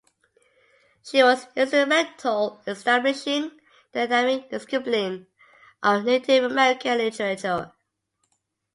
She was instrumental in establishing the academic discipline of Native American literature.